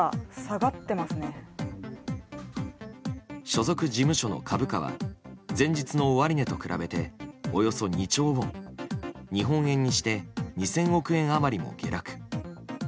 所属事務所の株価は前日の終値と比べておよそ２兆ウォン日本円にして２０００億円余りも下落。